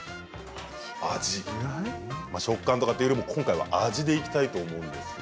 味、食感というよりも今回は味でいきたいと思います。